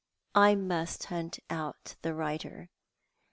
I must hunt out the writer.